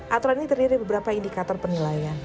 aturan ini terdiri beberapa indikator penilaian